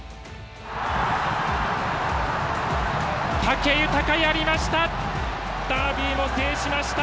武豊やりました！